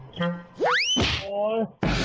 โอ้โหตุ๊ดปุ้ง